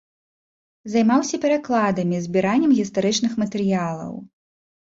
Займаўся перакладамі, збіраннем гістарычных матэрыялаў.